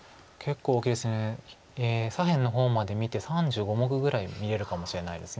結構左辺の方まで見て３５目ぐらい見えるかもしれないです。